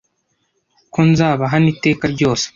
ko nzaba hano iteka ryose